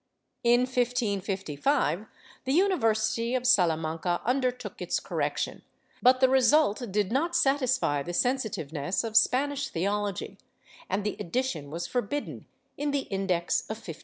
In 1555, the University of Salamanca undertook its correction, but the result did not satisfy the sensitiveness of Spanish theology, and the edition was forbidden in the Index of 1559.